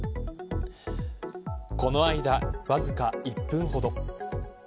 この間、わずか１分ほど。